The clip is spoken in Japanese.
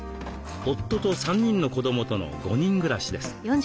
夫と３人の子どもとの５人暮らしです。